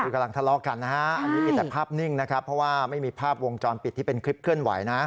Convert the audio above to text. คือกำลังทะเลาะกันนะฮะอันนี้มีแต่ภาพนิ่งนะครับเพราะว่าไม่มีภาพวงจรปิดที่เป็นคลิปเคลื่อนไหวนะ